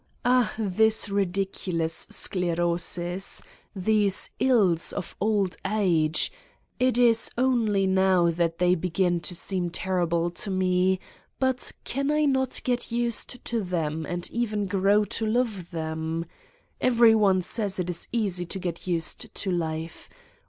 Ah, this ridic ulous sclerosis, these ills of old age it is only now that they begin to seem terrible to Me, but, can I not get used to them and even grow to love them? Every one says it is easy to get used to life.